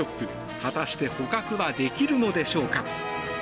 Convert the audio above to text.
果たして捕獲はできるのでしょうか。